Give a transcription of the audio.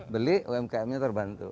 beli umkm nya terbantu